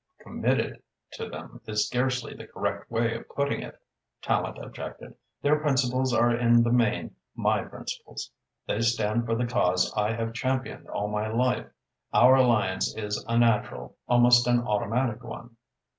"'Committed' to them is scarcely the correct way of putting it," Tallente objected. "Their principles are in the main my principles. They stand for the cause I have championed all my life. Our alliance is a natural, almost an automatic one."